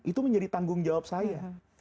itu menjadi tanggung jawab saya